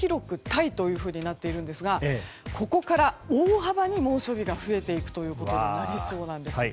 タイというふうになっているんですがここから大幅に猛暑日が増えていくことになりそうです。